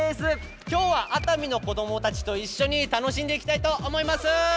今日は熱海の子どもたちと一緒に楽しんでいきたいと思います。